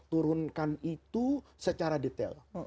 turunkan itu secara detail